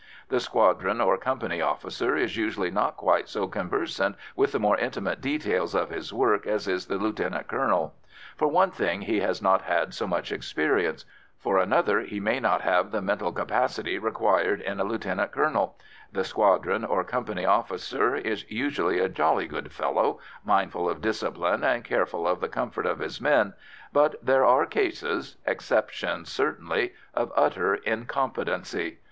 The squadron or company officer is usually not quite so conversant with the more intimate details of his work as is the lieutenant colonel. For one thing, he has not had so much experience; for another, he may not have the mental capacity required in a lieutenant colonel; the squadron or company officer is usually a jolly good fellow, mindful of discipline and careful of the comfort of his men, but there are cases exceptions, certainly of utter incompetency.